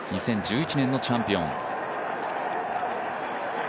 ２０１１年のチャンピオン。